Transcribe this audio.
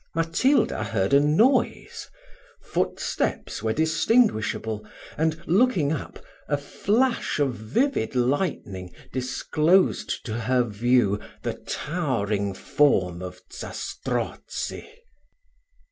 Matilda heard a noise footsteps were distinguishable, and looking up, a flash of vivid lightning disclosed to her view the towering form of Zastrozzi.